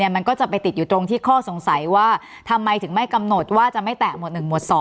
มันก็จะไปติดอยู่ตรงที่ข้อสงสัยว่าทำไมถึงไม่กำหนดว่าจะไม่แตะหมวด๑หมวด๒